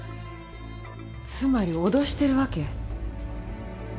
つまり脅してるわけ？